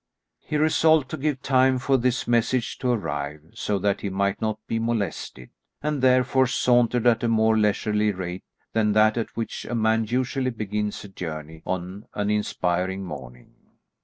He resolved to give time for this message to arrive, so that he might not be molested, and therefore sauntered at a more leisurely rate than that at which a man usually begins a journey on an inspiring morning.